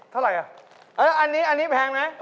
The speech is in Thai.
เท่าไหร่อ่ะเอออันนี้แพงไหม